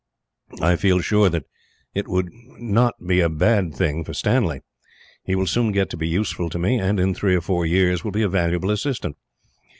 "I feel sure that it would not be a bad thing for Stanley. He will soon get to be useful to me, and in three or four years will be a valuable assistant.